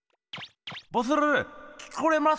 ボス聞こえますか？